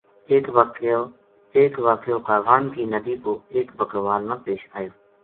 ایک واقعو کاغان کی ندی پو ایک بکروال نال پیش آیو